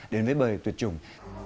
đến với bời tuyệt chủng